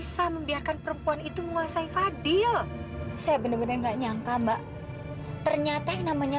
sampai jumpa di video selanjutnya